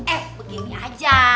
eh begini aja